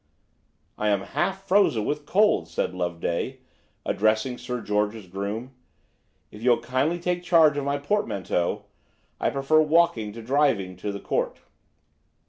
"I am half frozen with cold," said Loveday, addressing Sir George's groom; "if you'll kindly take charge of my portmanteau, I'd prefer walking to driving to the Court."